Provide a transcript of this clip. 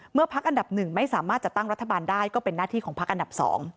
พักอันดับ๑ไม่สามารถจัดตั้งรัฐบาลได้ก็เป็นหน้าที่ของพักอันดับ๒